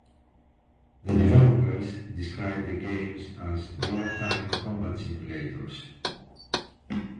The developers describe the games as "real-time combat simulators".